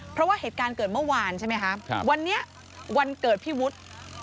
เพราะว่าเหตุการณ์เกิดเมื่อวานใช่ไหมคะวันนี้วันเกิดพี่วุฒิ